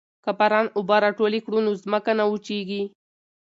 که باران اوبه راټولې کړو نو ځمکه نه وچیږي.